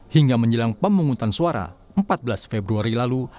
hingga menjelang pemungutan suara empat belas februari lalu